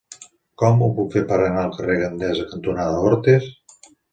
Com ho puc fer per anar al carrer Gandesa cantonada Hortes?